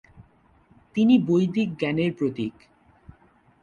তিনি বৈদিক জ্ঞানের প্রতীক।